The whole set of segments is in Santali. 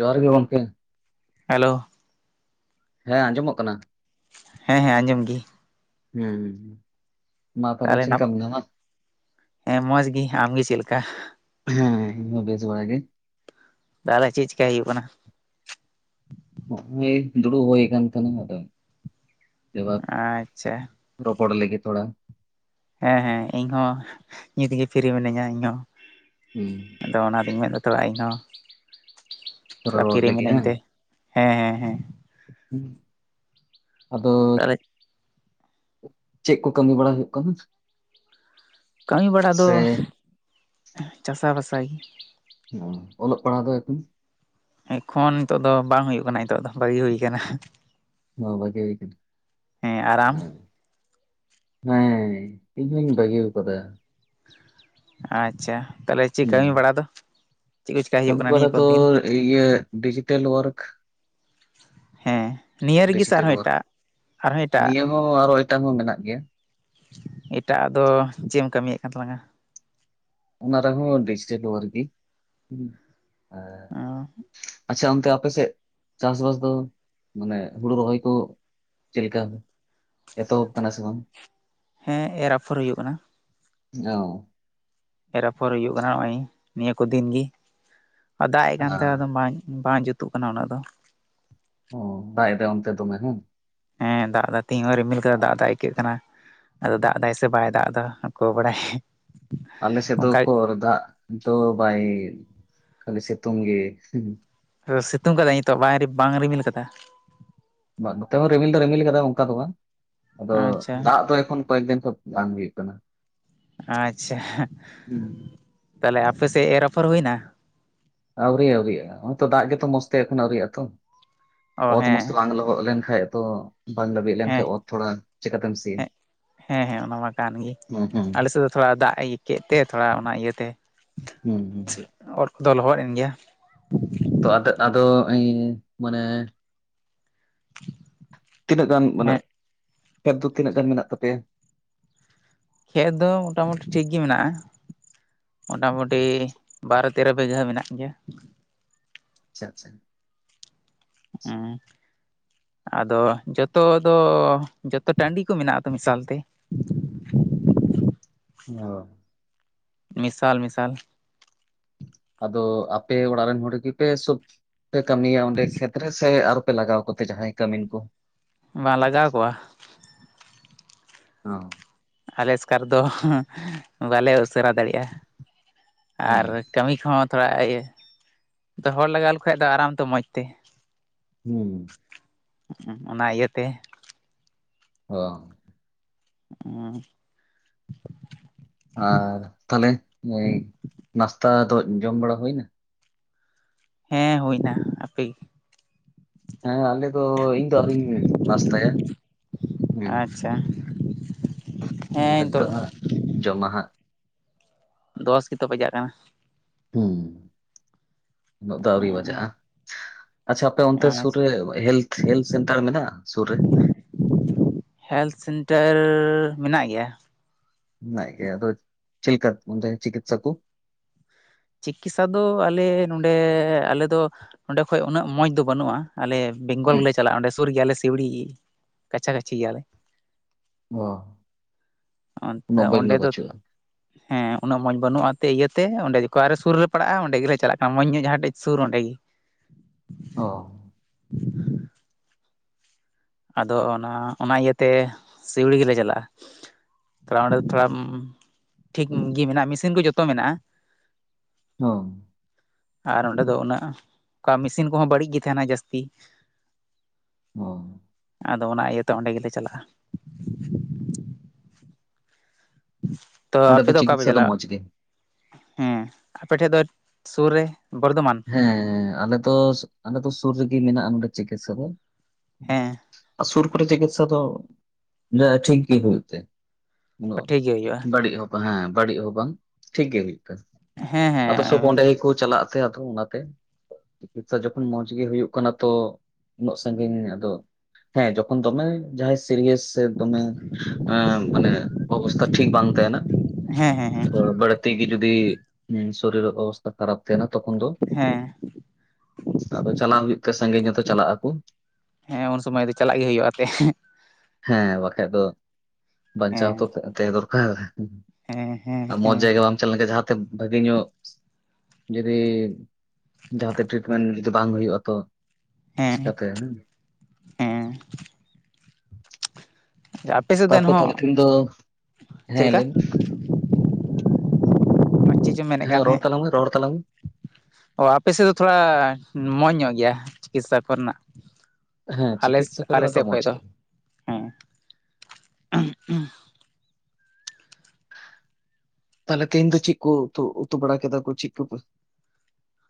ᱡᱚᱦᱟᱨ ᱜᱮ ᱜᱚᱢᱠᱮ, ᱦᱮᱞᱳ, ᱦᱮᱸ ᱟᱸᱡᱚᱢᱚᱜ ᱠᱟᱱᱟ, ᱦᱮᱸᱻᱦᱮᱸ ᱟᱸᱡᱚᱢ ᱜᱤ, ᱦᱩᱸᱻ, ᱛᱟᱦᱚᱞᱮ ᱱᱟᱯ, ᱢᱚᱡᱽ ᱜᱤ ᱟᱢᱜᱤ ᱪᱮᱫ ᱞᱮᱠᱟ? ᱦᱮᱸ ᱻ ᱤᱧ ᱦᱚᱸ ᱵᱮᱥ ᱵᱟᱲᱟ ᱜᱤ ᱾ ᱛᱟᱦᱞᱮ ᱪᱮᱜ ᱪᱮᱠᱟᱭ ᱦᱩᱭᱩᱜ ᱠᱟᱱᱟ? ᱱᱚᱜᱚᱭ ᱫᱩᱲᱩᱜ ᱦᱩᱭ ᱠᱟᱱ ᱛᱟᱦᱮᱱᱟ ᱟᱫᱚ ᱮᱵᱟᱨ ᱟᱪᱪᱷᱟ, ᱨᱚᱯᱚᱲ ᱞᱮᱜᱮ ᱛᱷᱚᱲᱟ, ᱦᱮᱸ ᱦᱮᱸ ᱤᱧ ᱦᱚᱸ ᱱᱤᱛᱜᱤ ᱯᱷᱤᱨᱤ ᱢᱤᱱᱟᱹᱧᱟ ᱤᱧᱦᱚᱸ ᱾ ᱦᱩᱸ, ᱟᱫᱚ ᱚᱱᱟᱛᱮ ᱢᱮᱱᱫᱟ ᱛᱷᱚᱲᱟ ᱤᱧ ᱦᱚᱸ ᱛᱷᱚᱲᱟ ᱨᱚᱲ ᱯᱷᱤᱨᱤ ᱞᱟᱹᱜᱤᱫ ᱢᱤᱱᱟᱹᱧ ᱦᱟᱝ ᱛᱮ ᱾ ᱦᱮᱸ ᱦᱮᱸ ᱦᱮᱸᱻ, ᱟᱫᱚ ᱛᱟᱦᱚᱞᱮ ᱪᱮᱜ ᱠᱩ ᱠᱟᱹᱢᱤ ᱵᱟᱲᱟ ᱦᱩᱭᱩᱜ ᱠᱟᱱᱟ? ᱠᱟᱹᱢᱤ ᱵᱟᱲᱟ ᱫᱚ ᱥᱮ ᱪᱟᱥᱟ ᱵᱟᱥᱟ ᱜᱤ ᱾ ᱳᱦ ᱚᱞᱚᱜ ᱯᱟᱲᱦᱟ ᱫᱚ ᱮᱠᱷᱚᱱ? ᱮᱠᱷᱚᱱ ᱱᱤᱛᱚᱜ ᱫᱚ ᱵᱟᱝ ᱦᱩᱭᱩᱜ ᱠᱟᱱᱟ ᱱᱤᱛᱚᱜ ᱫᱚ ᱵᱟᱹᱜᱤ ᱦᱩᱭ ᱠᱟᱱᱟ ᱾ ᱦᱳ ᱵᱟᱹᱜᱤ ᱦᱩᱭ ᱠᱟᱱᱟ ᱦᱮᱸ ᱟᱨ ᱟᱢ ᱦᱮᱸ ᱤᱧᱦᱩᱧ ᱵᱟᱹᱜᱤ ᱟᱠᱟᱫᱟ᱾ ᱟᱪᱪᱷᱟ ᱛᱟᱦᱞᱮ ᱪᱮᱫ ᱦᱩᱸ ᱠᱟᱹᱢᱤ ᱵᱟᱲᱟ ᱫᱚ? ᱪᱮᱫ ᱠᱚ ᱪᱮᱠᱟᱭ ᱦᱩᱭᱩᱜ ᱠᱟᱹᱢᱤ ᱠᱟᱱᱟ ᱵᱟᱲᱟ ᱱᱤᱭᱟᱹ ᱠᱚ ᱫᱚ ᱫᱤᱱ ᱤᱭᱟᱹ ᱰᱤᱡᱤᱴᱮᱞ ᱳᱭᱟᱨᱠ᱾ ᱦᱮᱸ ᱱᱤᱭᱟᱹ ᱨᱮᱜᱮ ᱥᱮ ᱟᱨᱦᱚ ᱮᱴᱟᱜ ᱟᱨᱦᱚ ᱮᱴᱟᱜ ᱚ ᱟᱨᱚ ᱮᱴᱟᱜ ᱦᱚᱸ ᱢᱮᱱᱟᱜ ᱜᱮᱭᱟ᱾ ᱮᱴᱟᱜᱼᱟ ᱫᱚ ᱪᱮᱫ ᱮᱢ ᱠᱟᱹᱢᱤᱭᱮᱫ ᱠᱟᱱ ᱛᱟᱞᱟᱝᱟ? ᱚᱱᱟ ᱨᱮᱦᱚᱸ ᱰᱤᱡᱤᱴᱟᱞ ᱳᱭᱟᱨᱠ ᱜᱮ ᱦᱮ ᱚ ᱟᱪᱪᱷᱟ ᱚᱱᱛᱮ ᱟᱯᱮᱥᱮᱫ ᱪᱟᱥ ᱵᱟᱥ ᱫᱚ ᱢᱟᱱᱮ ᱦᱩᱲᱩ ᱨᱚᱦᱚᱭ ᱠᱚᱼᱼ ᱪᱮᱞᱠᱟᱢ ᱮᱛᱚᱦᱚᱵ ᱠᱟᱱᱟ ᱥᱮ ᱵᱟᱝ? ᱦᱮᱸ ᱮᱨ ᱟᱯᱷᱚᱨ ᱦᱩᱭᱩᱜ ᱠᱟᱱᱟ᱾ ᱚᱻ ᱮᱨ ᱟᱯᱷᱚᱨ ᱦᱩᱭᱩᱜ ᱠᱟᱱᱟ ᱱᱚᱜᱚᱭ ᱱᱤᱭᱟᱹ ᱠᱚ ᱫᱤᱱ ᱜᱮ ᱫᱟᱜ ᱮᱫ ᱠᱟᱱ ᱟᱪᱪᱷᱟ, ᱛᱟᱦᱮᱸ ᱵᱟᱝ ᱡᱩᱛᱼᱼ ᱡᱩᱛᱩᱜ ᱠᱟᱱᱟ ᱩᱱᱟᱜ ᱫᱚ ᱚ ᱵᱟᱭᱫᱟ ᱚᱱᱛᱮ ᱫᱚ ᱵᱟᱝ? ᱦᱮᱸ ᱫᱟᱜ ᱫᱟᱜ ᱛᱮᱦᱧ ᱦᱚᱸ ᱨᱤᱢᱤᱞ ᱠᱟᱫᱟ ᱫᱟᱜ ᱫᱟᱜ ᱟᱹᱭᱠᱟᱹᱜ ᱠᱟᱱᱟ᱾ ᱟᱫᱚ ᱫᱟᱜ ᱫᱟᱭ ᱥᱮ ᱵᱟᱭ ᱫᱟᱜ ᱮᱫᱟ ᱟᱠᱚ ᱵᱟᱲᱟᱭ ᱟᱞᱮᱥᱮᱫ ᱫᱚ ᱚᱱᱠᱟ ᱠᱚᱚᱨ ᱫᱟᱜ ᱫᱚ ᱵᱟᱭ ᱠᱷᱟᱹᱞᱤ ᱥᱤᱛᱩᱝ ᱜᱮᱼᱼ ᱥᱤᱛᱩᱝ ᱠᱟᱫᱟᱭ ᱱᱤᱛᱚᱜ ᱵᱟᱭ ᱵᱟᱝ ᱮ ᱨᱤᱢᱤᱞ ᱠᱟᱫᱟ᱾ ᱱᱚᱛᱮ ᱦᱚᱸ ᱨᱤᱢᱤᱞ ᱫᱚ ᱨᱤᱢᱤᱞ ᱠᱟᱫᱟ ᱚᱱᱠᱟ ᱫᱚ ᱵᱟᱝ ᱟᱫᱚ ᱟᱪᱪᱷᱟ ᱫᱟᱜ ᱫᱚ ᱮᱠᱷᱚᱱᱼᱼ ᱠᱚᱭᱮᱠ ᱫᱤᱱ ᱠᱷᱟᱱ ᱵᱟᱝ ᱦᱩᱭᱩᱜ ᱠᱟᱱᱟ᱾ ᱟᱪᱪᱷᱟ ᱦᱩᱸ, ᱛᱟᱦᱚᱞᱮ ᱟᱯᱮ ᱥᱮᱫ ᱮᱨ ᱟᱯᱷᱚᱨ ᱦᱩᱭᱱᱟ? ᱟᱹᱣᱨᱤ ᱟᱹᱣᱨᱤ ᱟᱹᱣᱨᱤᱜᱼᱟ ᱦᱚᱭᱛᱚ ᱫᱟᱜ ᱜᱮᱛᱚ ᱢᱚᱡᱽ ᱛᱮ ᱮᱠᱷᱚᱱ ᱟᱹᱣᱨᱤᱜ ᱟᱛᱚ᱾ ᱚ ᱚᱛ ᱢᱚᱡᱽ ᱛᱮ ᱦᱮᱸ ᱵᱟᱝ ᱞᱚᱦᱚᱫ ᱞᱮᱱ ᱠᱷᱟᱟᱱ ᱛᱚ ᱵᱟᱝ ᱞᱟᱹᱵᱤᱫ ᱞᱮᱱ ᱦᱮᱸ ᱠᱷᱟᱟᱱ ᱚᱛ ᱛᱷᱚᱲᱟ ᱪᱮᱠᱟᱛᱮᱢ ᱥᱤᱼᱼ ᱦᱮᱸ ᱦᱮᱸ ᱦᱮᱸ ᱚᱱᱟ ᱢᱟ ᱠᱟᱱ ᱜᱮ ᱦᱩᱸ ᱟᱞᱮᱥᱮᱫ ᱫᱚ ᱛᱷᱚᱲᱟ ᱫᱟᱜ ᱮᱭᱠᱮᱜ ᱛᱮ ᱛᱷᱚᱲᱟ ᱚᱱᱟ ᱤᱭᱟᱹᱛᱮᱼᱼ ᱦᱮᱸ ᱦᱮᱸ ᱚᱛ ᱫᱚ ᱞᱚᱦᱚᱫ ᱮᱱ ᱜᱮᱭᱟ᱾ ᱛᱚ ᱟᱫᱚ ᱟᱫᱚ ᱢᱟᱱᱮᱼᱼ ᱛᱤᱱᱟᱹᱜ ᱜᱟᱱ ᱢᱟᱱᱮ ᱦᱮᱸ ᱠᱷᱮᱛ ᱫᱚ ᱛᱤᱱᱟᱹᱜ ᱜᱟᱱ ᱢᱮᱱᱟᱜ ᱛᱟᱯᱮᱭᱟ᱾ ᱠᱷᱮᱛ ᱫᱚ ᱢᱚᱴᱟ ᱢᱩᱴᱤ ᱴᱷᱤᱠ ᱜᱮ ᱢᱮᱱᱟᱜᱼᱟ ᱢᱚᱴᱟᱢᱩᱴᱤᱼᱼ ᱵᱟᱨᱚ ᱛᱮᱨᱚ ᱵᱤᱜᱷᱟᱹ ᱢᱮᱱᱟᱜ ᱜᱮᱭᱟ᱾ ᱟᱪᱪᱷᱟ ᱟᱪᱪᱷᱟ ᱦᱮᱸ ᱟᱫᱚ ᱡᱚᱛᱚ ᱫᱚᱼᱼ ᱡᱚᱛᱚ ᱴᱟᱹᱰᱤ ᱠᱚ ᱢᱮᱱᱟᱜ ᱟᱛᱚ ᱢᱮᱥᱟᱞ ᱛᱮ ᱚ ᱢᱤᱥᱟᱞ ᱢᱤᱥᱟᱞ ᱟᱫᱚ ᱟᱯᱮ ᱚᱲᱟᱜ ᱨᱮᱱ ᱦᱚᱲ ᱜᱮᱯᱮ ᱥᱳᱯ ᱯᱮ ᱠᱟᱹᱢᱤᱭᱟ ᱚᱸᱰᱮ ᱥᱮ ᱠᱷᱮᱛ ᱨᱮ ᱥᱮ ᱟᱨᱼᱼ ᱯᱮ ᱞᱟᱜᱟᱣ ᱠᱟᱛᱮ ᱡᱟᱦᱟᱸᱭ ᱠᱟᱹᱢᱤᱱ ᱠᱚᱼᱼ ᱵᱟᱝ ᱞᱟᱜᱟᱣ ᱠᱚᱣᱟ᱾ ᱚ ᱟᱞᱮ ᱮᱥᱠᱟᱨ ᱫᱚ ᱵᱟᱞᱮ ᱩᱥᱟᱹᱨᱟ ᱫᱟᱲᱮᱜᱼᱟ ᱦᱩᱸ ᱟᱨᱼᱼ ᱠᱟᱹᱢᱤ ᱠᱚᱦᱚᱸ ᱛᱷᱚᱲᱟ ᱤᱭᱟᱹ ᱟᱫᱚ ᱦᱚᱲ ᱞᱟᱜᱟᱣ ᱞᱮᱠ ᱠᱷᱟᱡ ᱫᱚ ᱟᱨᱟᱢ ᱛᱮ ᱢᱚᱡᱽ ᱛᱮᱼᱼ ᱦᱩᱸ ᱚᱱᱟ ᱤᱭᱟᱹᱛᱮᱼᱼ ᱚ ᱚ ᱟᱨ ᱛᱟᱦᱚᱞᱮ ᱱᱟᱥᱛᱟ ᱫᱚ ᱡᱚᱢ ᱵᱟᱲᱟ ᱦᱩᱭ ᱮᱱᱟ? ᱦᱮᱸ ᱦᱩᱭ ᱮᱱᱟ ᱟᱯᱮᱜᱮ? ᱦᱮᱸ ᱟᱞᱮ ᱫᱚ ᱤᱧ ᱫᱚ ᱟᱣᱨᱤᱹᱧ ᱱᱟᱥᱛᱟᱭᱟ ᱦᱮᱸ᱾ ᱟᱪᱪᱷᱟ ᱦᱮᱸ ᱱᱤᱛᱚᱜ ᱱᱤᱛᱳᱜ᱾ ᱦᱟᱸᱜ ᱡᱚᱢᱟ ᱦᱟᱜ, ᱫᱚᱥ ᱜᱮᱛᱚ ᱵᱟᱡᱟᱜ ᱠᱟᱱᱟ᱾ ᱦᱩᱸ ᱩᱱᱟᱹᱜ ᱫᱚ ᱟᱹᱣᱨᱤ ᱵᱟᱡᱟᱜᱼᱟ᱾ ᱟᱪᱷᱟ ᱟᱯᱮ ᱚᱱᱛᱮ ᱥᱩᱨ ᱟᱪᱪᱷᱟ ᱨᱮ ᱦᱮᱞᱛᱷ ᱥᱮᱱᱴᱟᱨ ᱢᱮᱱᱟᱜᱼᱟ ᱥᱩᱨ ᱨᱮ? ᱦᱮᱞᱛᱷ ᱥᱮᱱᱴᱟᱨ ᱢᱮᱱᱟᱜ ᱜᱮᱭᱟ᱾ ᱢᱮᱱᱟᱜ ᱜᱮᱭᱟ ᱟᱫᱚ ᱪᱤᱞᱮᱠᱟ ᱚᱱᱰᱮ ᱪᱤᱠᱤᱛᱥᱟ ᱠᱚ? ᱪᱤᱠᱤᱛᱥᱟ ᱫᱚ ᱟᱞᱮ ᱱᱚᱸᱰᱮ ᱟᱞᱮᱫᱚ ᱱᱚᱸᱰᱮ ᱠᱷᱚᱡ ᱩᱱᱟᱹᱜ ᱢᱚᱡᱽ ᱫᱚ ᱵᱟᱹᱱᱩᱜᱼᱟ᱾ ᱟᱞᱮ ᱵᱮᱝᱜᱚᱞ ᱦᱩᱸ ᱜᱮᱞᱮ ᱪᱟᱞᱟᱜᱼᱟ ᱚᱸᱰᱮ ᱥᱩᱨ ᱜᱮᱭᱟᱞᱮ ᱥᱤᱣᱲᱤ ᱠᱟᱪᱷᱟ ᱠᱟᱪᱷᱤ ᱜᱮᱭᱟ ᱞᱮᱼᱼ ᱚ ᱟ ᱩᱱᱟᱹᱜ ᱵᱟᱹᱧ ᱫᱚ ᱚᱸᱰᱮ ᱫᱚᱼᱼ ᱵᱟᱹᱪᱩᱜᱼᱟ᱾ ᱦᱮᱸ ᱩᱱᱟᱹᱜ ᱢᱚᱸᱡᱽ ᱵᱟᱹᱱᱩᱜ-ᱟ ᱛᱮ ᱤᱭᱟᱹᱛᱮ ᱚᱸᱰᱮᱼᱼ ᱚᱠᱟᱨᱮ ᱥᱩᱨ ᱨᱮ ᱯᱟᱲᱟᱜᱼᱟ ᱚᱸᱰᱮ ᱜᱮ ᱪᱟᱞᱟᱜ ᱢᱚᱡᱽ ᱧᱚᱜ ᱡᱟᱦᱟᱸᱴᱮᱡ ᱥᱩᱨ ᱚᱸᱰᱮ ᱜᱮ᱾ ᱚ ᱟᱫᱚ ᱱᱟᱦᱟᱜ ᱚᱱᱟ ᱤᱭᱟᱹᱛᱮ ᱥᱤᱣᱲᱤ ᱜᱮᱞᱮ ᱪᱟᱞᱟᱜᱼᱟ᱾ ᱛᱷᱚᱲᱟ ᱚᱸᱰᱮ ᱫᱚ ᱛᱷᱚᱲᱟ ᱴᱷᱤᱠ ᱜᱮ ᱢᱮᱱᱟᱜᱼᱟ ᱢᱮᱥᱤᱱ ᱠᱚ ᱡᱚᱛᱚ ᱢᱮᱱᱟᱜᱼᱟ᱾ ᱦᱚᱸ ᱟᱨ ᱚᱸᱰᱮ ᱫᱚ ᱩᱱᱟᱹᱜ ᱚᱱᱠᱟ ᱢᱤᱥᱤᱱ ᱠᱚᱦᱚᱸ ᱵᱟᱹᱲᱤᱡ ᱜᱤ ᱛᱟᱦᱮᱱᱟ ᱡᱟᱹᱥᱛᱤ᱾ ᱦ [inaudible] ᱟᱫᱚ ᱚᱱᱟ ᱤᱭᱟᱹᱛᱮ ᱚᱸᱰᱮ ᱜᱮᱞᱮ ᱪᱟᱞᱟᱜᱼᱟ᱾ ᱛᱚ ᱚᱸᱰᱮ ᱟᱯᱮ ᱫᱚ ᱚᱠᱟ ᱯᱮ ᱪᱤᱠᱤᱛᱥᱟ ᱪᱟᱞᱟᱜᱼᱟ? ᱢᱚᱸᱡᱽ ᱜᱮ? ᱦᱩᱸ ᱟᱯᱮᱴᱷᱮᱡ ᱫᱚ ᱥᱩᱨ ᱨᱮ ᱵᱚᱨᱫᱷᱚᱢᱟᱱ? ᱦᱮᱸ ᱟᱞᱮ ᱫᱚ ᱟᱞᱮ ᱫᱚ ᱥᱩᱨ ᱨᱮᱜᱮ ᱢᱮᱱᱟᱜᱼᱟ ᱱᱚᱰᱮ ᱪᱤᱠᱤᱛᱥᱟ ᱫᱚ᱾ ᱦᱮᱸ ᱟᱨ ᱥᱩᱨ ᱠᱚᱨᱮ ᱪᱤᱠᱤᱛᱥᱟ ᱫᱚ ᱴᱷᱤᱠ ᱜᱮ ᱦᱩᱭᱩᱜ ᱛᱮ᱾ ᱩᱱᱟᱹᱜ ᱴᱷᱤᱠ ᱜᱮ ᱦᱩᱭᱩᱜᱼᱟ ᱵᱟᱹᱲᱤᱡ ᱦᱚᱸ ᱵᱟᱝ ᱦᱮᱸ ᱵᱟᱹᱲᱤᱡ ᱦᱚᱸ ᱵᱟᱝ ᱴᱷᱤᱠᱜᱮ ᱦᱩᱭᱩᱜ ᱠᱟᱱᱟ᱾ ᱦᱮᱸ ᱦᱮᱸ ᱟᱫᱚ ᱥᱚᱵ ᱚᱸᱰᱮ ᱜᱮᱠᱚ ᱪᱟᱞᱟᱜ ᱛᱮ ᱟᱫᱚ ᱚᱱᱟ ᱛᱮᱼᱼ ᱪᱤᱠᱤᱛᱥᱟ ᱡᱚᱠᱷᱚᱱ ᱢᱚᱸᱡᱽ ᱜᱮ ᱦᱩᱭᱩᱜ ᱠᱟᱱᱟ ᱛᱚ ᱩᱱᱟᱹᱜ ᱥᱟᱹᱜᱤᱧ ᱟᱫᱚᱼᱼ ᱦᱮᱸ ᱡᱚᱠᱷᱚᱱ ᱫᱚᱢᱮ ᱡᱟᱦᱟᱸᱭ ᱥᱤᱨᱤᱭᱟᱥᱼᱼ ᱛᱮ ᱫᱚᱢᱮ ᱮᱸ ᱢᱟᱱᱮ ᱚᱵᱚᱥᱛᱷᱟ ᱴᱷᱤᱠ ᱵᱟᱝ ᱛᱟᱦᱮᱱᱟ᱾ ᱦᱮᱸ ᱦᱮᱸ ᱦᱮᱸ ᱛᱤ ᱜᱮ ᱡᱚᱫᱤ ᱦᱩ ᱥᱚᱨᱤᱨ ᱚᱵᱚᱥᱛᱟ ᱠᱷᱟᱨᱟᱯ ᱛᱟᱦᱮᱱᱟᱼᱼ ᱛᱚᱠᱷᱚᱱ ᱫᱚ ᱦᱮᱸ ᱟᱫᱚ ᱪᱟᱞᱟᱣ ᱦᱩᱭᱩᱜ ᱛᱮ ᱥᱟᱺᱜᱤᱧ ᱧᱚᱛᱚ ᱪᱟᱞᱟᱜ ᱟᱠᱚ᱾ ᱦᱮᱸ ᱩᱱ ᱥᱚᱢᱚᱭ ᱫᱚ ᱪᱟᱞᱟᱜ ᱜᱮ ᱦᱩᱭᱩᱜᱼᱟ ᱟᱯᱮ᱾ ᱦᱮᱸ ᱵᱟᱠᱷᱟᱡ ᱫᱚ ᱵᱟᱧᱪᱟᱣ ᱦᱮᱸ ᱛᱚ ᱛᱟᱦᱮᱸ ᱫᱚᱨᱠᱟᱨ᱾ ᱦᱮᱸ ᱦᱮᱸ ᱢᱚᱸᱡᱽ ᱦᱮᱸ ᱡᱟᱭᱜᱟ ᱵᱟᱢ ᱪᱟᱞᱟᱣ ᱞᱮᱱᱠᱷᱟᱱ ᱡᱟᱦᱟᱸᱛᱮ ᱵᱷᱟᱹᱜᱤ ᱧᱚᱜ ᱡᱩᱫᱤᱼᱼ ᱡᱟᱦᱟᱸᱛᱮ ᱴᱨᱤᱴᱢᱮᱱᱴ ᱡᱩᱫᱤ ᱵᱟᱝ ᱦᱩᱭᱩᱜ ᱟ ᱛᱚ ᱪᱤᱠᱟᱛᱮ ᱦᱮᱸ᱾ ᱦᱮᱸ ᱟᱯᱮ ᱥᱮᱫ ᱫᱚ ᱛᱟᱨᱯᱚᱨ ᱮᱱᱦᱚᱸ ᱛᱟᱦᱚᱞᱮ ᱛᱤᱦᱤᱧ ᱫᱚ ᱪᱮᱫ ᱦᱮᱸ ᱞᱮᱠᱟ᱾ ᱞᱟᱹᱭ ᱢᱮ ᱪᱮᱫ ᱪᱚᱢ ᱢᱮᱱᱮᱫ ᱠᱟᱱ ᱦᱮᱸ ᱨᱚᱲ ᱛᱟᱦᱮᱸᱫ ᱛᱟᱞᱟᱝ ᱢᱮ ᱨᱚᱲ ᱛᱟᱞᱟᱝ ᱢᱮ᱾ ᱚ ᱟᱯᱮ ᱥᱮᱫ ᱫᱚ ᱛᱷᱚᱲᱟ ᱢᱚᱸᱡᱽ ᱧᱚᱜ ᱜᱮᱭᱟ ᱪᱤᱠᱤᱛᱥᱟ ᱠᱚᱨᱮᱱᱟᱜ, ᱦᱮᱸ ᱟᱞᱮ ᱪᱤᱠᱤᱛᱥᱟ ᱟᱞᱮ ᱠᱚᱨᱮᱱᱟᱜ ᱥᱮᱫ ᱠᱷᱚᱡ ᱢᱚᱸᱡᱽ ᱫᱚ ᱜᱮ ᱦᱮᱸ ᱛᱟᱦᱚᱞᱮ ᱛᱮᱦᱮᱧ ᱫᱚ ᱪᱮᱫ ᱠᱚ ᱩᱛᱩ ᱩᱛᱩ ᱵᱟᱲᱟ ᱠᱮᱫᱟ ᱠᱚ ᱪᱮᱫ ᱠᱚᱯᱮ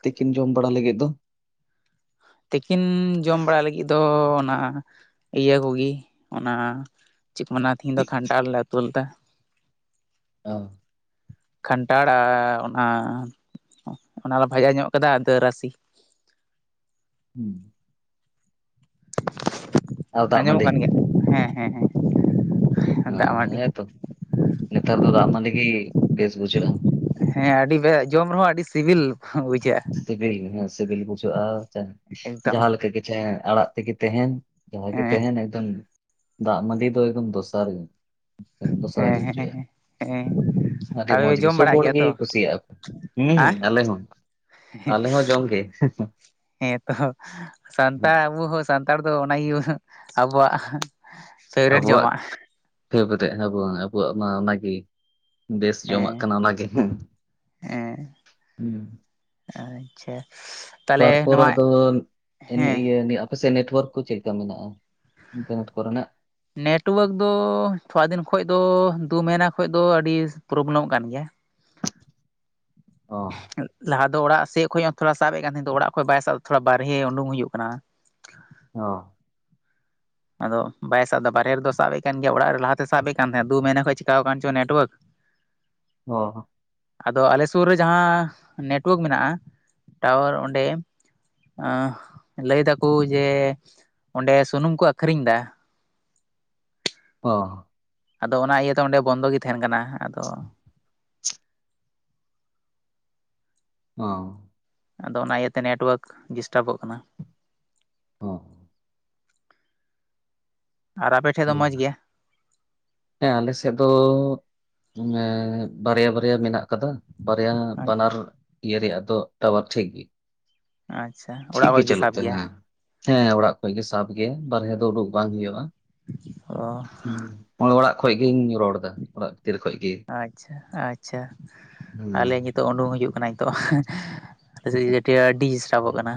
ᱛᱤᱠᱤᱱ ᱡᱚᱢ ᱵᱟᱲᱟ ᱞᱟᱹᱜᱤᱫ ᱫᱚ? ᱛᱤᱠᱤᱱ ᱡᱚᱢ ᱵᱟᱲᱟ ᱞᱟᱹᱜᱤᱫ ᱫᱚ ᱚᱱᱟ ᱤᱭᱟᱹ ᱠᱚᱜᱮ ᱚᱱᱟᱼᱼ ᱪᱤᱠᱚ ᱢᱱᱟ ᱛᱦᱤᱧ ᱫᱚ ᱠᱷᱟᱱᱴᱟᱨ ᱞᱮ ᱩᱛᱩ ᱞᱮᱫᱟ᱾ ᱚ ᱠᱟᱱᱟᱱᱴᱷᱟᱟᱲ ᱟᱨ ᱚᱱᱟ ᱚᱱᱟᱞᱮ ᱵᱷᱟᱡᱟ ᱧᱚᱜ ᱟᱠᱟᱫᱟ ᱟᱫᱚ ᱨᱟᱥᱮ ᱦᱮᱸ ᱟᱨ ᱫᱟᱜ ᱟᱸᱡᱚᱢᱚᱜ ᱢᱟᱹᱰᱤ ᱠᱟᱱ ᱜᱮᱭᱟ ᱦᱮᱸ ᱦᱮᱸ ᱦᱮᱸ, ᱫᱟᱜ ᱦᱮᱸ ᱢᱟᱹᱰᱤ ᱦᱮᱸᱛᱚ ᱱᱮᱛᱟᱨ ᱫᱚ ᱫᱟᱜ ᱢᱟᱹᱰᱤ ᱜᱮ ᱵᱮᱥ ᱵᱩᱡᱷᱟᱹᱜᱼᱟ᱾ ᱦᱮᱸ ᱟᱹᱰᱤ ᱵᱮ ᱡᱚᱢ ᱨᱮᱦᱚᱸ ᱟᱹᱰᱤ ᱥᱤᱵᱤᱞ ᱵᱩᱡᱷᱟᱹᱜᱼᱟ᱾ ᱥᱤᱵᱤᱞ ᱦᱮᱸ ᱥᱤᱵᱤᱞ ᱵᱩᱡᱷᱟᱹᱜᱼᱟ ᱮᱠᱫᱚᱢ ᱡᱟᱦᱟᱸᱮ ᱞᱮᱠᱟ ᱜᱮᱤᱪᱷ ᱟᱲᱟᱜ ᱛᱮᱜᱮ ᱛᱟᱦᱮᱱ᱾ ᱡᱟᱦᱟᱸ ᱜᱮ ᱦᱮᱸ ᱛᱟᱦᱮᱱ ᱮᱠᱫᱚᱢ ᱫᱟᱜ ᱢᱟᱹᱰᱤ ᱫᱚ ᱮᱠᱫᱚᱢ ᱫᱚᱥᱟᱨ ᱜᱮᱼᱼ ᱫᱚᱥᱨᱟ ᱦᱮᱸ ᱜᱮ ᱦᱮᱸ ᱦᱪᱭᱟ ᱦᱮᱸ ᱟᱹᱰᱤ ᱢᱚᱸᱡᱽ ᱟᱯᱮ ᱜᱮ ᱡᱚᱢ ᱥᱚᱵ ᱵᱟᱲᱟᱜ ᱦᱚᱲ ᱜᱮᱭᱟ ᱜᱮ ᱛᱚ ᱠᱩᱥᱤᱭᱟᱜᱼᱟ᱾ ᱦᱟᱸ ᱦᱮᱸ ᱟᱞᱮ ᱦᱚᱸ ᱟᱞᱮ ᱦᱚᱸ ᱡᱚᱢ ᱜᱮ ᱦᱮᱸ ᱛᱚ ᱥᱟᱱᱛᱟᱲ ᱟᱵᱚ ᱦᱚᱸ ᱥᱟᱱᱛᱟᱲ ᱫᱚ ᱚᱱᱟᱜᱮ ᱟᱵᱚᱣᱟᱜ ᱯᱷᱮᱵᱟᱨᱮᱴ ᱡᱚᱢᱟᱜ ᱯᱷᱮ ᱵᱮᱨᱮᱜ ᱱᱟᱵᱚ ᱟᱵᱚᱣᱟᱜ ᱢᱟ ᱚᱱᱟᱜᱤᱼᱼ ᱵᱮᱥ ᱡᱚᱢᱟᱜ ᱦᱮᱸ ᱠᱟᱱᱟ ᱚᱱᱟᱜᱮ ᱦᱮᱸ ᱦᱮᱸ ᱦᱩᱸ ᱟᱪᱪᱷᱟ ᱛᱟᱦᱚᱞᱮ ᱛᱟᱨᱯᱚᱨ ᱱᱚᱣᱟ ᱟᱫᱚ ᱮᱱᱮ ᱦᱮᱸ ᱤᱭᱟᱹ ᱯᱟᱥᱮ ᱥᱮᱫ ᱱᱮᱴᱳᱣᱟᱨᱠ ᱠᱚ ᱪᱮᱫ ᱞᱮᱠᱟ ᱢᱮᱱᱟᱜ-ᱟ ᱤᱱᱴᱟᱨᱱᱮᱴ ᱠᱚᱨᱮᱱᱟᱜ ᱱᱮᱴᱣᱟᱨᱠ ᱫᱚ ᱛᱷᱚᱲᱟ ᱫᱤᱱ ᱠᱷᱚᱡ ᱫᱚ ᱫᱩ ᱢᱟᱦᱱᱟᱹ ᱠᱷᱚᱱ ᱫᱚ ᱟᱹᱰᱤ ᱯᱨᱚᱵᱞᱮᱢᱚᱜ ᱠᱟᱱ ᱜᱮᱭᱟ᱾ ᱚ ᱞᱟᱦᱟ ᱫᱚ ᱚᱲᱟᱜ ᱥᱮᱡ ᱠᱷᱚᱡ ᱦᱚᱸ ᱛᱷᱚᱲᱟ ᱥᱟᱵ ᱮᱫ ᱠᱟᱱ ᱛᱟᱸᱦᱮ ᱱᱳᱛᱚᱜ ᱚᱲᱟᱜ ᱠᱷᱚᱡ ᱵᱟᱭ ᱥᱟᱵ ᱮᱫᱟ ᱛᱷᱚᱲᱟ ᱵᱟᱨᱦᱮ ᱩᱰᱩᱠ ᱦᱩᱭᱩᱜ ᱠᱟᱱᱟ᱾ ᱚᱻ ᱟᱫᱚ ᱵᱟᱭ ᱥᱟᱵ ᱮᱫᱟ ᱵᱟᱨᱦᱮ ᱨᱮᱫᱚ ᱥᱟᱵᱼᱮᱫ ᱠᱟᱱ ᱜᱮᱭᱟ ᱚᱲᱟᱜ ᱨᱮ ᱞᱟᱦᱟᱛᱮ ᱥᱟᱵ ᱮᱫ ᱠᱟᱱ ᱛᱟᱦᱮᱫ ᱫᱩ ᱢᱟᱹᱦᱱᱟᱹ ᱠᱷᱚᱡ ᱪᱤᱠᱠᱟ ᱪᱚᱝ ᱱᱮᱴᱣᱟᱨᱠ, [inaudible] ᱚ ᱦᱚᱸ ᱟᱫᱚ ᱟᱞᱮ ᱥᱩᱨ ᱨᱮ ᱡᱟᱦᱟᱸ ᱱᱮᱴᱳᱣᱟᱨᱠ ᱢᱮᱱᱟᱜ-ᱟ ᱴᱟᱣᱟᱨ ᱚᱸᱰᱮᱼ ᱞᱟᱹᱭ ᱫᱟᱠᱚ ᱡᱮ ᱚᱸᱰᱮ ᱥᱩᱱᱩᱢ ᱠᱚ ᱟᱹᱠᱷᱨᱤᱧ ᱫᱟ᱾ ᱚ ᱟᱫᱚ ᱚᱱᱟ ᱤᱭᱟᱹᱛᱮ ᱚᱸᱰᱮ ᱵᱚᱱᱫᱚ ᱜᱮ ᱛᱟᱦᱮᱱ ᱠᱟᱱᱟ ᱟᱫᱚᱼᱼ ᱚᱻ ᱟᱫᱚ ᱚᱱᱟ ᱤᱭᱟᱹᱛᱮ ᱱᱮᱴᱳᱣᱟᱨᱠ ᱰᱤᱥᱴᱟᱵᱚᱜ ᱠᱟᱱᱟ᱾ [inaudible] ᱟᱨ ᱟᱯᱮᱴᱷᱮᱡ ᱫᱚ ᱦᱩᱸ᱾ ᱢᱚᱡᱽ ᱜᱮᱭᱟ᱾ ᱦᱮᱸ ᱟᱞᱮᱥᱮᱫ ᱫᱚ ᱵᱟᱨᱭᱟ ᱵᱟᱨᱭᱟ ᱢᱮᱱᱟᱜ ᱟᱠᱟᱫᱟ᱾ ᱵᱟᱨᱭᱟ ᱵᱟᱱᱟᱨ ᱤᱭᱟᱹ ᱨᱮᱭᱟᱜ ᱫᱚ ᱴᱟᱣᱟᱨ ᱴᱷᱤᱠ ᱜᱮᱭᱟ᱾ ᱟᱪᱪᱷᱟ ᱴᱷᱤᱠ ᱚᱲᱟᱜ ᱜᱮ ᱦᱚᱲ ᱪᱟᱞᱩᱜ ᱥᱟᱵ ᱛᱟᱦᱮᱸ ᱜᱮᱭᱟ ᱦᱮᱸ ᱚᱲᱟᱜ ᱠᱷᱚᱡ ᱜᱮ ᱥᱟᱵ ᱜᱮᱭᱟᱭ ᱵᱟᱨᱦᱮ ᱫᱚ ᱩᱰᱩᱠ ᱵᱟᱝ ᱦᱩᱭᱩᱜᱼᱟ᱾ ᱚᱻ ᱚᱸᱬᱮ ᱚᱲᱟᱜ ᱠᱷᱚᱡ ᱜᱤᱧ ᱨᱚᱲ ᱮᱫᱟ᱾ ᱚᱲᱟᱜ ᱵᱷᱤᱛᱤᱨ ᱠᱷᱚᱡ ᱜᱮ ᱟᱪᱪᱷᱟ ᱟᱪᱪᱷᱟ ᱟᱞᱮ ᱦᱮᱸ᱾ ᱧᱩᱛᱩᱢᱼᱼ ᱛᱚ ᱩᱰᱩᱝ ᱦᱤᱡᱩᱜ ᱠᱟᱱᱟ ᱱᱤᱛᱚᱜ ᱚ [unintelligible] ᱟᱹᱰᱤ ᱰᱤᱥᱴᱟᱵᱚᱜ ᱠᱟᱱᱟ᱾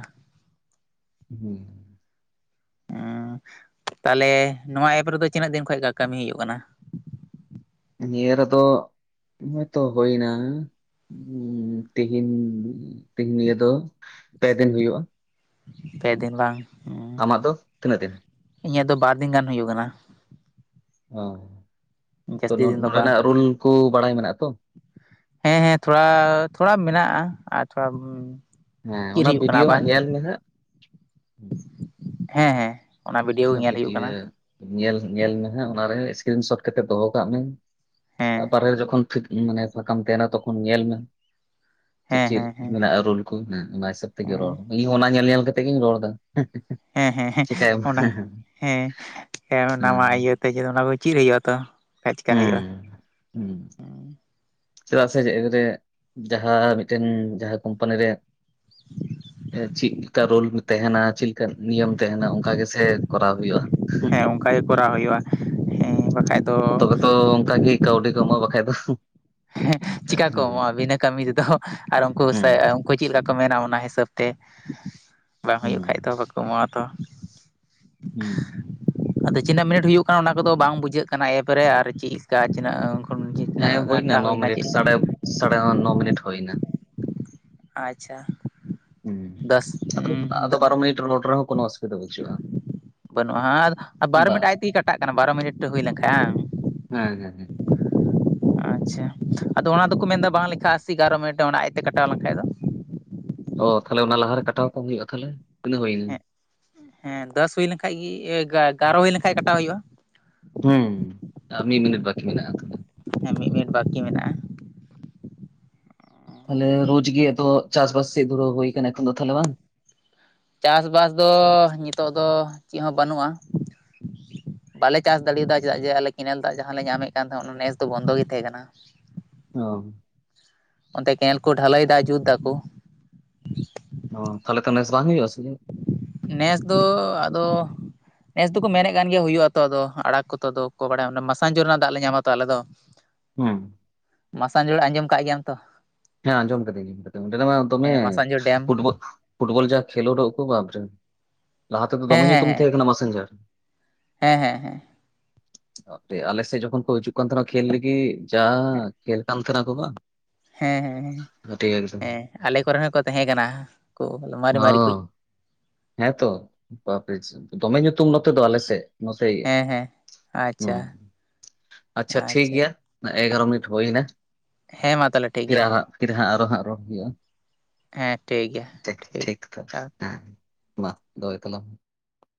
ᱦᱮᱸ ᱛᱟᱦᱞᱮ ᱱᱚᱣᱟ ᱮᱯ ᱨᱮᱫᱚ ᱛᱤᱱᱟᱹᱜ ᱫᱤᱱ ᱠᱷᱚᱡ ᱠᱟᱹᱢᱤ ᱦᱩᱭᱩᱜ ᱠᱟᱱᱟ᱾ ᱱᱤᱭᱟᱹ ᱨᱮᱫᱚ ᱚᱱᱮ ᱛᱚ ᱦᱩᱭᱮᱱᱟ᱾ ᱛᱤᱦᱤᱧ ᱛᱤᱦᱤᱧ ᱱᱤᱭᱟᱹ ᱫᱚ ᱯᱮ ᱫᱤᱱ ᱦᱩᱭᱩᱜᱼᱟ᱾ ᱯᱮ ᱫᱤᱱ ᱵᱟᱝ? ᱟᱢᱟᱜ ᱫᱚ ᱛᱤᱱᱟᱹᱜ ᱫᱤᱱ? ᱤᱧᱟᱹᱜ ᱫᱚ ᱵᱟᱨ ᱫᱤᱱ ᱜᱟᱱ ᱦᱩᱭᱩᱜ ᱠᱟᱱᱟ᱾ ᱚ ᱛᱚ ᱡᱟᱹᱥᱛᱤ ᱫᱤᱱ ᱫᱚ ᱵᱟᱝ ᱱᱚᱸᱰᱮᱱᱟᱜ ᱨᱩᱞ ᱠᱚ ᱵᱟᱲᱟᱭ ᱢᱮᱱᱟᱜᱼᱟ ᱛᱚ᱾ ᱦᱮᱸ ᱦᱮᱸ ᱛᱷᱚᱲᱟ ᱛᱷᱚᱲᱟ ᱢᱮᱱᱟᱜ-ᱟ ᱟᱨ ᱛᱷᱚᱲᱟᱼᱼ ᱦᱮᱸ ᱪᱮᱫ ᱚᱱᱟ ᱦᱩᱭᱩᱜ ᱠᱟᱱᱟ ᱵᱷᱤᱰᱭᱳ ᱟᱵᱟᱨ ᱦᱟᱸᱜ ᱧᱮᱞ ᱢᱮ ᱦᱟᱸᱜ ᱦᱮᱸ ᱦᱮᱸ᱾ ᱵᱷᱤᱰᱭᱳ ᱜᱮ ᱚᱱᱟ ᱧᱮᱞ ᱦᱩᱭᱩᱜ ᱵᱷᱤᱰᱤᱭᱳ ᱠᱟᱱᱟ ᱧᱮᱞ ᱧᱮᱞ ᱢᱮ ᱦᱟᱸᱜ ᱚᱱᱟᱨᱮ ᱥᱠᱨᱤᱱ ᱥᱚᱴ ᱠᱟᱛᱮᱜ ᱫᱚᱦᱚ ᱠᱟᱜ ᱢᱮ᱾ ᱦᱮᱸ ᱵᱟᱦᱨᱮ ᱨᱮ ᱡᱚᱠᱷᱚᱱ ᱢᱟᱱᱮ ᱯᱷᱟᱸᱠᱟᱢ ᱛᱟᱦᱮᱱᱟ ᱛᱚᱠᱷᱚᱱ ᱧᱮᱞ ᱢᱮ᱾ ᱪᱮᱫ ᱦᱮᱸ ᱪᱮᱫ ᱦᱮᱸ ᱦᱮᱸ ᱢᱮᱱᱟᱜᱼᱟ ᱨᱩᱞ ᱠᱚ ᱦᱮᱸ ᱚᱱᱟ ᱦᱤᱥᱟᱹᱵ ᱛᱮᱜᱮ ᱨᱚᱲ ᱦᱮᱸ ᱤᱧ ᱦᱚᱸ ᱚᱱᱟ ᱧᱮᱞ ᱧᱮᱞ ᱠᱟᱛᱮᱼᱼ ᱛᱮᱜᱮᱧ ᱨᱚᱲ ᱮᱫᱟ᱾ ᱦᱮᱸ ᱦᱮᱸ ᱦᱮᱸ ᱪᱤᱠᱟᱭᱟᱢ ᱚᱱᱟ ᱦᱮᱸ ᱱᱟᱣᱟ ᱦᱮᱸ ᱤᱭᱟᱹᱛᱮ ᱚᱱᱟ ᱠᱚ ᱪᱤᱫ ᱦᱩᱭᱩᱜ-ᱟ ᱛᱚ᱾ ᱪᱮᱠᱟ ᱦᱩᱭᱩᱜᱼᱟ᱾ ᱦᱮᱸ ᱦᱩᱸ ᱪᱮᱫᱟᱜ ᱥᱮ ᱡᱮ ᱵᱮᱨᱮᱫ ᱡᱟᱦᱟᱸ ᱢᱤᱫᱴᱮᱱ ᱡᱟᱦᱟᱸ ᱠᱳᱢᱯᱟᱱᱤ ᱨᱮᱼᱼ ᱪᱤᱫ ᱞᱮᱠᱟ ᱨᱳᱞ ᱛᱟᱦᱮᱱᱟ ᱪᱮᱫᱮ ᱞᱮᱠᱟ ᱱᱤᱭᱚᱢ ᱛᱟᱦᱮᱱᱟ ᱚᱱᱠᱟ ᱜᱮᱥᱮ ᱠᱚᱨᱟᱣ ᱦᱩᱭᱩᱜᱼᱟ᱾ ᱦᱮᱸ ᱚᱱᱠᱟᱜ ᱜᱮ ᱠᱚᱨᱟᱣ ᱦᱩᱭᱩᱜᱼᱟ ᱦᱮᱸ ᱵᱟᱠᱷᱟᱡ ᱫᱚᱼᱼ ᱛᱚᱵᱮ ᱛᱚ ᱚᱱᱠᱟᱜᱮ ᱠᱟᱹᱣᱰᱤ ᱠᱚᱢᱚᱜ ᱵᱟᱠᱷᱟᱡ ᱫᱚ᱾ ᱦᱮᱸ ᱪᱤᱠᱟ ᱠᱚ ᱦᱩᱸ ᱮᱢᱚᱜᱼᱟ ᱵᱤᱱᱟᱹ ᱠᱟᱹᱢᱤ ᱛᱮ ᱫᱚ᱾ ᱟᱨ ᱩᱱᱠᱩ ᱦᱩᱸ ᱩᱱᱠᱩ ᱪᱮᱫ ᱞᱮᱠᱟ ᱠᱚ ᱢᱮᱱᱟ ᱚᱱᱟ ᱦᱤᱥᱟᱹᱵ ᱛᱮ ᱵᱟᱝ ᱦᱩᱭᱩᱜ ᱦᱩᱸ ᱠᱷᱟᱡ ᱫᱚᱼᱼ ᱠᱚᱢᱟᱣ ᱛᱚ᱾ ᱦᱩᱸ ᱟᱫᱚ ᱪᱤᱱᱟᱹᱜ ᱢᱤᱱᱤᱴ ᱦᱩᱭᱩᱜ ᱠᱟᱱᱟ ᱚᱱᱟ ᱠᱚᱫᱚ ᱵᱟᱝ ᱵᱩᱡᱷᱟᱹᱜ ᱠᱟᱱᱟ ᱮᱨᱯᱚ ᱨᱮ ᱟᱨ ᱪᱮᱫ ᱠᱟ ᱛᱤᱱᱟᱹᱜᱼᱼ ᱦᱮᱸ [unintelligible] ᱦᱩᱭᱱᱟ ᱱᱚ ᱢᱤᱱᱤᱴ ᱥᱟᱲᱮ ᱥᱟᱲᱮ ᱱᱚ ᱢᱤᱱᱤᱴ ᱦᱳᱭ ᱱᱟ᱾ ᱟᱪᱪᱷᱟ ᱫᱚᱥ ᱦᱩᱸ ᱟᱫᱚ ᱵᱟᱨᱚ ᱢᱤᱱᱤᱴ ᱨᱚᱲ ᱨᱮ ᱦᱚᱸ ᱠᱳᱱᱳ ᱚᱥᱩᱵᱤ ᱫᱟ ᱯᱟᱪᱩᱜᱼᱟ᱾ ᱵᱟᱹᱱᱩᱜᱼᱟ ᱵᱟᱨᱚ ᱢᱤᱱᱤᱴ ᱟᱡ ᱛᱮ ᱜᱮ ᱠᱟᱴᱟᱜ ᱠᱟᱱᱟ ᱵᱟᱨᱚ ᱢᱤᱱᱤᱴ ᱦᱩᱭ ᱞᱮᱱ ᱠᱷᱟᱱ ᱵᱟᱝ᱾ ᱦᱮᱸ ᱦᱮᱸ ᱦᱮᱸ᱾ ᱟᱪᱪᱷᱟ ᱟᱫᱚ ᱚᱱᱟ ᱫᱚ ᱠᱚ ᱢᱮᱱ ᱫᱟ ᱵᱟᱝ ᱞᱮᱠᱷᱷᱟᱜ ᱟᱥᱮ ᱵᱟᱨᱚ ᱢᱤᱱᱤᱴ ᱚᱱᱟ ᱟᱡ ᱛᱮ ᱠᱟᱴᱟᱣ ᱞᱮᱱ ᱠᱷᱟᱡ ᱫᱚ᱾ ᱚ ᱛᱟᱦᱚ ᱞᱮ ᱚᱱᱟ ᱞᱟᱦᱟ ᱨᱮ ᱠᱟᱴᱟᱣ ᱠᱟᱜ ᱦᱳᱭᱳᱜᱼᱟ ᱛᱟᱦᱞᱮ ᱛᱤᱱᱟᱹᱜ ᱦᱩᱭ ᱮᱱᱟ, ᱦᱮᱸ ᱦᱮᱸ ᱫᱚᱥ ᱦᱩᱭ ᱞᱮᱱ ᱠᱷᱟᱡ ᱮᱜᱟᱨᱚ ᱦᱩᱭ ᱞᱮᱱ ᱠᱷᱟᱡ ᱠᱟᱴᱟᱣ ᱦᱳᱭᱳᱜᱼᱟ᱾ ᱦᱩᱸ ᱢᱤᱫ ᱢᱤᱱᱤᱴ ᱵᱟᱠᱤ ᱢᱮᱱᱟᱜᱼᱟ᱾ ᱦᱮᱸ ᱢᱤᱫ ᱢᱤᱱᱤᱴ ᱵᱟᱠᱤ ᱢᱮᱱᱟᱜᱼᱟ᱾ ᱛᱟᱦᱞᱮ ᱨᱳᱡ ᱜᱮ ᱛᱚ ᱪᱟᱥ ᱵᱟᱥ ᱥᱮᱜ ᱫᱷᱩᱨᱟᱹᱣ ᱦᱩᱭ ᱠᱟᱱᱟ ᱮᱠᱷᱚᱱ ᱫᱚ ᱛᱟᱦᱞᱮ ᱵᱟᱝ, ᱪᱟᱥᱼᱵᱟᱥ ᱫᱚ ᱱᱤᱛᱚᱜ ᱫᱚ ᱪᱮᱫ ᱦᱚᱸ ᱵᱟᱹᱱᱩᱜᱼᱟ᱾ ᱵᱟᱞᱮ ᱪᱟᱥ ᱫᱟᱲᱮ ᱭᱟᱜ ᱪᱮᱫᱟᱜ ᱡᱮ ᱟᱞᱮ ᱠᱮᱱᱮᱞ ᱫᱟᱜ ᱡᱟᱦᱟᱸ ᱞᱮ ᱧᱟᱢᱮᱫ ᱠᱟᱱ ᱛᱟᱦᱮᱸᱫ ᱚᱱᱟ ᱱᱮᱥ ᱫᱚ ᱵᱚᱱ ᱫᱚ ᱜᱮ ᱛᱟᱦᱮᱸ ᱠᱟᱱᱟ᱾ ᱚ ᱚᱱᱛᱮ ᱠᱮᱱᱮᱞ ᱠᱚ ᱰᱷᱟᱹᱞᱟᱹᱭ ᱮᱫᱟ ᱡᱩᱛ ᱫᱟᱠᱩ᱾ ᱚ ᱛᱟᱦᱞᱮ ᱛᱚ ᱱᱮᱥ ᱵᱟᱝ ᱦᱩᱭᱩᱜ-ᱟ ᱥᱮ? ᱱᱮᱥ ᱫᱚ ᱟᱫᱚᱼᱼ ᱱᱮᱥ ᱫᱚᱠᱚ ᱢᱮᱱᱮᱫ ᱠᱟᱱ ᱜᱮᱭᱟ ᱦᱩᱭᱩᱜᱼᱟ ᱛᱚ ᱟᱫᱚ ᱟᱲᱟᱜ ᱠᱚᱛ ᱫᱚ ᱠᱚ ᱵᱟᱲᱟᱭᱟ ᱢᱟᱥᱟᱝ ᱡᱳᱨ ᱨᱮᱱᱟᱜ ᱫᱟᱜ ᱞᱮ ᱧᱟᱢᱟ ᱛᱚ ᱟᱞᱮ ᱫᱚ᱾ [unintelligible] ᱦᱩᱸ ᱢᱟᱥᱟᱝ ᱡᱳᱲ ᱟᱸᱡᱚᱢ ᱟᱠᱟᱫ ᱜᱮᱭᱟᱢ ᱛᱚ? ᱦᱮᱸ ᱟᱸᱡᱚᱢ ᱠᱟᱹᱫᱤᱧ ᱚᱸᱰᱮ ᱢᱟ ᱫᱚᱢᱮ ᱦᱮᱸ ᱢᱟᱥᱟᱱᱡᱷᱳ ᱰᱮᱢ ᱯᱷᱩᱴ ᱵᱚᱞᱼᱼ ᱯᱷᱩᱴᱵᱚᱞ ᱡᱟ ᱠᱷᱮᱞᱚᱜ ᱨᱮ ᱡᱟ ᱩᱯᱚᱵᱷᱟᱵ ᱞᱟᱦᱟ ᱛᱮᱫᱚ ᱦᱮᱸ ᱫᱚᱢᱮ ᱧᱩᱛᱩᱢ ᱦᱮᱸ ᱛᱟᱦᱮᱸ ᱠᱟᱱᱟ ᱢᱟᱥᱮᱝ ᱡᱟᱨ ᱦᱮᱸ ᱦᱮᱸ ᱦᱮᱸ ᱟᱞᱮ ᱥᱮᱫ ᱡᱚᱠᱷᱚᱱ ᱠᱚ ᱦᱤᱡᱩᱜ ᱠᱟᱱ ᱛᱟᱦᱮ ᱱᱟ ᱠᱷᱮᱹᱞ ᱞᱟᱹᱜᱤᱫ ᱡᱟ ᱠᱷᱮᱹᱞ ᱠᱟᱱ ᱛᱟᱦᱮᱱᱟᱠᱚ ᱵᱟ ᱦᱮᱸ ᱦᱮᱸ ᱦᱮᱸ ᱟᱞᱮ ᱠᱚᱨᱮᱱ ᱦᱚᱸᱠᱚ ᱛᱟᱦᱮᱸ ᱠᱟᱱᱟ ᱠᱚ ᱢᱟᱨᱮ ᱚ ᱢᱟᱨᱮ ᱠᱩᱡ ᱦᱮᱸᱛᱚ ᱵᱟᱯᱤᱡ ᱫᱚᱢᱮ ᱧᱩᱛᱩᱢ ᱱᱚ ᱛᱮ ᱫᱚ ᱟᱞᱮ ᱥᱮᱫ ᱱᱚᱛᱮ ᱜᱮ ᱦᱮᱸ ᱦᱮᱸ ᱦᱚ ᱟᱪᱪᱷᱟ ᱟᱪᱪᱷᱟ ᱴᱷᱤᱠ ᱜᱮᱭᱟ ᱮᱜᱟᱨᱚ ᱢᱤᱱᱤᱴ ᱦᱩᱭ ᱱᱟ ᱦᱮᱸ ᱢᱟ ᱛᱟᱦᱚᱞᱮ ᱴᱷᱤᱠ ᱯᱷᱤᱨ ᱜᱮᱭᱟ ᱟᱨ ᱯᱷᱤᱨ ᱦᱟᱸᱜ ᱟᱨᱚ ᱦᱟᱸᱜ ᱨᱚᱲ ᱦᱩᱭᱩᱜᱼᱟ ᱦᱮᱸ ᱴᱷᱤᱠ ᱜᱮᱭᱟ ᱴᱷᱤᱠ ᱴᱷᱤᱠ ᱛᱚ ᱴᱟ ᱢᱟ ᱫᱚᱦᱚᱭ ᱛᱟᱞᱟᱝ